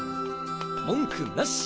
文句なし！